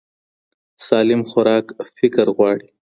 سالم خوراک فکر غواړي.